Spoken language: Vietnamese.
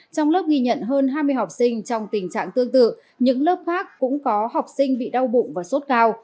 trong lớp ghi nhận hơn hai mươi học sinh trong tình trạng tương tự những lớp khác cũng có học sinh bị đau bụng và sốt cao